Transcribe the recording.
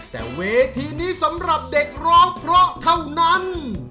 แต่เวทีนี้สำหรับเด็กร้องเพราะเท่านั้น